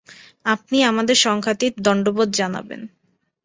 আপনি আমাদের সংখ্যাতীত দণ্ডবৎ জানিবেন।